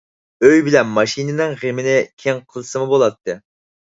ئۆي بىلەن ماشىنىنىڭ غېمىنى كېيىن قىلسىمۇ بولاتتى.